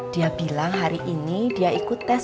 dia bilang hari ini dia ikut tes